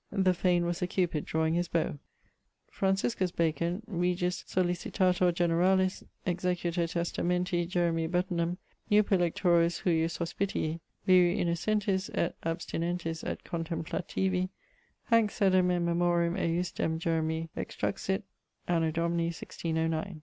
The fane was a Cupid drawing his bowe. Franciscus Bacon, Regis Solicitator Generalis, executor testamenti Jeremie Betenham nuper lectoris hujus hospitii, viri innocentis et abstinentis et contemplativi, hanc sedem in memoriam ejusdem Jeremie extruxit, anno Domini, 1609.